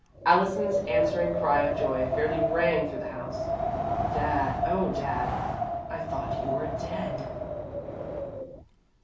Allison's answering cry of joy fairly rang through the house. "Dad! Oh, Dad! I thought you were dead!"